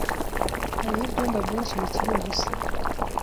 Hariho ibyumba byinshi bikiri ubusa.